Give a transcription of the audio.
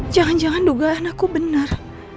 jangan jangan dugaan aku benar